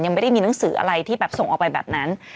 ยังไม่ได้มีหนังสืออะไรที่แบบส่งออกไปแบบนั้น